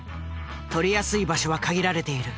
撮りやすい場所は限られている。